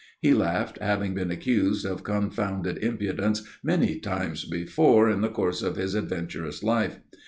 He laughed, having been accused of confounded impudence many times before in the course of his adventurous life.